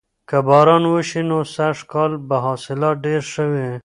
که باران وشي نو سږکال به حاصلات ډیر ښه وي.